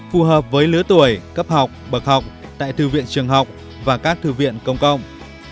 phù hợp với lứa tuổi cấp học bậc học tại thư viện trường học và các thư viện công cộng